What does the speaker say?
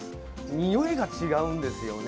においが違うんですよね。